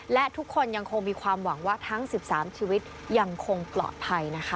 และทุกคนยังคงมีความหวังว่าทั้ง๑๓ชีวิตยังคงปลอดภัยนะคะ